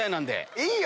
いいよ！